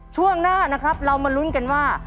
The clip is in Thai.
ช่วงหน้านะครับเรามาลุ้นกันว่า